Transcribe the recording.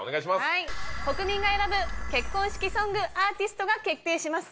はい国民が選ぶ結婚式ソングアーティストが決定します。